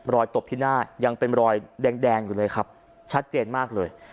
ตบที่หน้ายังเป็นรอยแดงอยู่เลยครับชัดเจนมากเลย